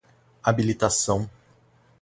habilitação